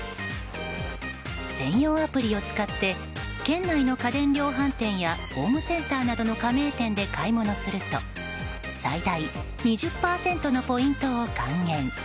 専用アプリを使って県内の家電量販店やホームセンターなどの加盟店で買い物すると最大２０％のポイントを還元。